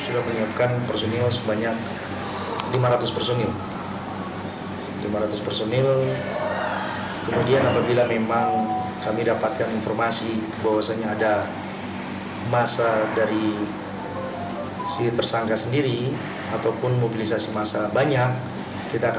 dan menyiapkan berimov dengan empat ssk